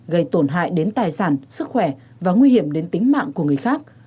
gây tổn hại đến tài sản sức khỏe và nguy hiểm đến tính mạng của người khác